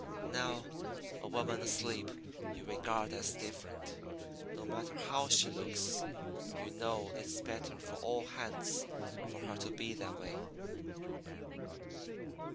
Now, a woman asleep you regard as different. No matter how she looks, you know it's better for all hands for her to be that way.